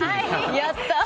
やった！